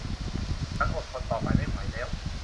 ฉันทนต่อไปไม่ไหวแล้ว